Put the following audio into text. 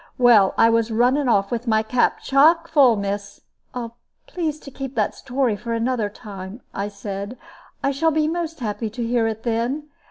Well, I was running off with my cap chock full, miss " "Please to keep that story for another time," I said; "I shall be most happy to hear it then.